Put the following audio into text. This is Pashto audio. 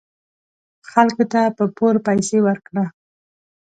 خلکو ته په پور پیسې ورکړه .